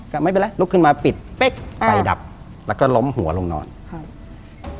ก็ไม่เป็นไรลุกขึ้นมาปิดเป๊กไฟดับแล้วก็ล้มหัวลงนอนครับ